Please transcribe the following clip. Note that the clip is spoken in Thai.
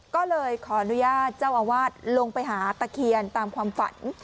ก็เลยขออนุญาตเจ้าอาวาสลงไปหาตะเคียนตามความฝัน